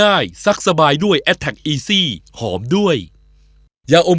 ให้บอกอย่าน่วง